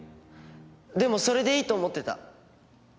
でもそれでいいと思ってた。